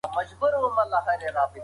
د ده مضمون له نورو شاعرانو بېل دی.